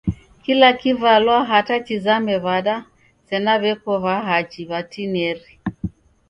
Kila kivalwa hata chizame w'ada sena w'eko w'ahachi w'atinieri.